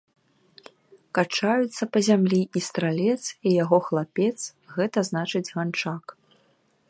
Качаюцца па зямлі і стралец, і яго хлапец, гэта значыць ганчак.